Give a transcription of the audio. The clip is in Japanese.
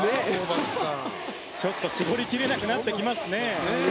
ちょっと絞り切れなくなってきますね。